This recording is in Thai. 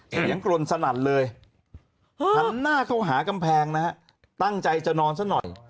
กรนสนั่นเลยหันหน้าเข้าหากำแพงนะฮะตั้งใจจะนอนซะหน่อย